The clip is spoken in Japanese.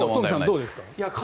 どうですか？